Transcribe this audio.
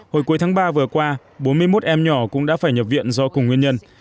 hồi cuối tháng ba vừa qua bốn mươi một em nhỏ cũng đã phải nhập viện do cùng nguyên nhân